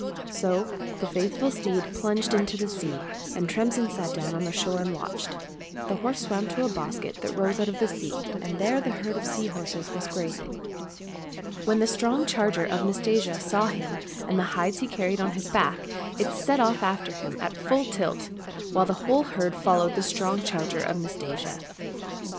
— So the faithful steed plunged into the sea, and Tremsin sat down on the shore and watched. The horse swam to a bosquet that rose out of the sea, and ^ A pood = 40 lb. 100 THE STORY OF TREMSIN there the herd of sea horses was grazing. When the strong charger of Nastasia saw him land the hides he carried on his back, it set off after him at full tilt, and the whole herd followed the strong charger of Nastasia.